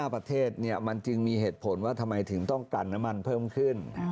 ประเทศมันจึงมีเหตุผลว่าทำไมถึงต้องกันน้ำมันเพิ่มขึ้น